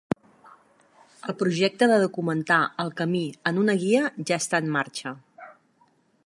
El projecte de documentar El Camí en una guia ja està en marxa.